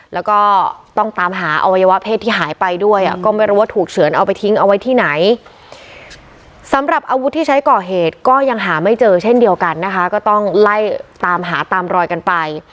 แล้วก็ต้องตามหาอวัยวะเพศที่หายไปด้วย